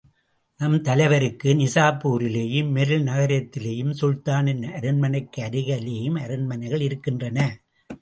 நம் தலைவருக்கு, நிசாப்பூரிலேயும், மெரில் நகரத்திலேயும், சுல்தானின் அரண்மனைக்கு அருகிலேயும் அரண்மனைகள் இருக்கின்றன.